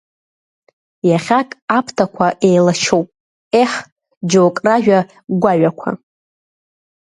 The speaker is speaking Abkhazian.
Иахьак аԥҭақәа еилачуп, еҳ, џьоук ражәа гәаҩақәа.